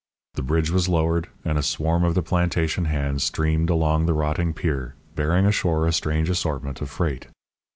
The bridge was lowered, and a swarm of the plantation hands streamed along the rotting pier, bearing ashore a strange assortment of freight.